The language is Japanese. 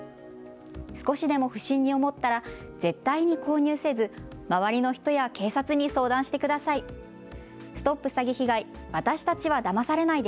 少しでも不審に思ったら絶対に購入せず周りの人や警察に相談してください。